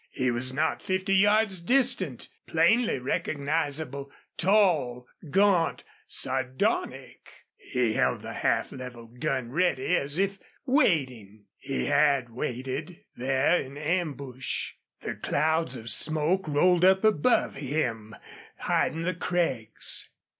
He was not fifty yards distant, plainly recognizable, tall, gaunt, sardonic. He held the half leveled gun ready as if waiting. He had waited there in ambush. The clouds of smoke rolled up above him, hiding the crags.